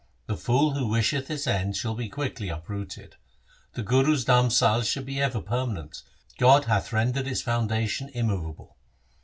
The fool who wisheth its end shall be quickly uprooted. The Guru's dharmsal shall be ever permanent, God hath rendered its foundation immovable.